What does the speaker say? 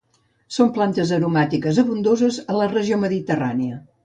Són plantes aromàtiques abundoses a la regió mediterrània.